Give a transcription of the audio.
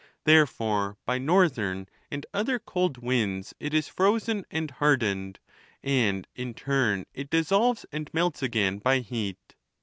Therefore, by northern and other cold winds it is frozen and hardened, and in turn it dissolves and melts again by heat.